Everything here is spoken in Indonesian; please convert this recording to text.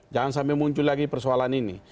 jangan sampai muncul lagi persoalan ini